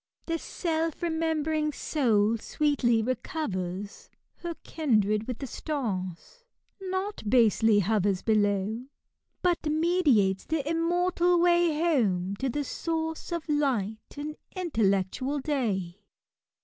The self remembering soul sweetly recovers Her kindred with the stars: not basely hovers Below— but meditatea the immortal way Home to the source of light and faiteltectaal day."